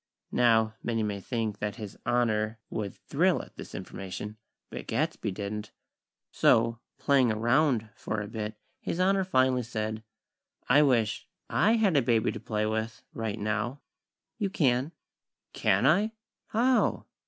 Now, many may think that His Honor would thrill at this information; but Gadsby didn't. So, "playing around" for a bit, His Honor finally said: "I wish I had a baby to play with, right now!" "You can." "Can I? How?"